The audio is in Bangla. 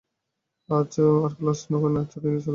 আজ আর ক্লাস নেব না, ছুটি নিয়ে চলে আসব।